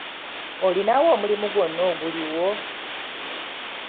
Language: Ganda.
Olinawo omulimu gwonna oguliwo?